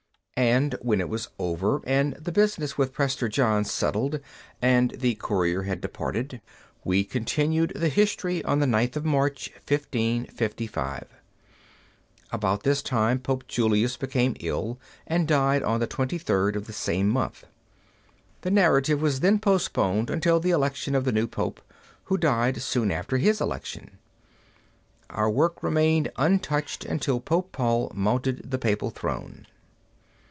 And when it was over, and the business with Prester John settled and the courier had departed, we continued the history on the 9th of March, 1555. About this time Pope Julius became ill, and died on the 23d of the same month. The narrative was then postponed until the election of the new Pope, who died soon after his election. Our work remained untouched until Pope Paul mounted the papal throne.